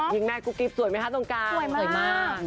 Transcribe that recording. ยิ่งแม่กุ๊บกิ๊บสวยไหมคะตรงกลาง